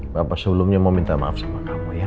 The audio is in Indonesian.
bapak sebelumnya mau minta maaf sama kamu ya